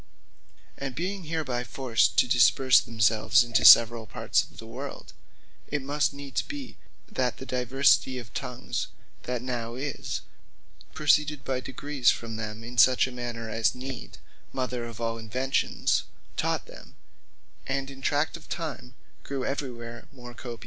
And being hereby forced to disperse themselves into severall parts of the world, it must needs be, that the diversity of Tongues that now is, proceeded by degrees from them, in such manner, as need (the mother of all inventions) taught them; and in tract of time grew every where more copious.